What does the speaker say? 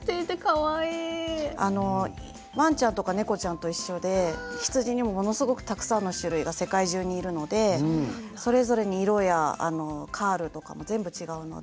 わんちゃんとか猫ちゃんと一緒で羊にもものすごくたくさんの種類が世界中にいるのでそれぞれに色やカールとかも全部違うので。